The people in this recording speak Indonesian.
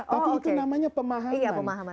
tapi itu namanya pemahaman